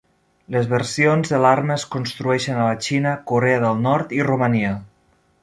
Les versions de l'arma es construeixen a la Xina, Corea del Nord i Romania.